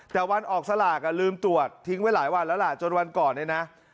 แต่วันออกสลากลืมตรวจทิ้งไว้หลายวันแล้วล่ะจนวันก่อนเนี่ยนะ